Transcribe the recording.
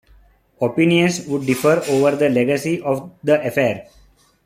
Opinions would differ over the legacy of the affair.